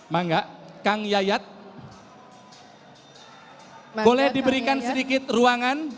maka kang yayat boleh diberikan sedikit ruangan